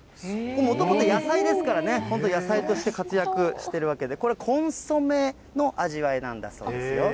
もともと野菜ですからね、本当、野菜として活躍しているわけで、これ、コンソメの味わいなんだそうですよ。